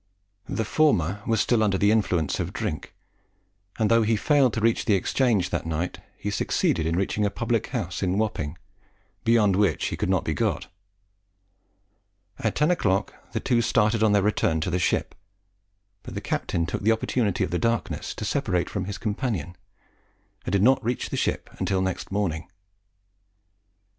The former was still under the influence of drink; and though he failed to reach the Exchange that night, he succeeded in reaching a public house in Wapping, beyond which he could not be got. At ten o'clock the two started on their return to the ship; but the captain took the opportunity of the darkness to separate from his companion, and did not reach the ship until next morning.